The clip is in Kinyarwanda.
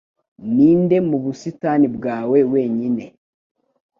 Ninde mu busitani bwawe wenyine